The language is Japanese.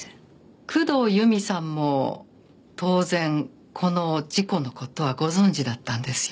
工藤由美さんも当然この事故の事はご存じだったんですよね？